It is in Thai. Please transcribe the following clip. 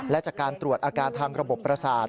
และจากการตรวจอาการทางระบบประสาท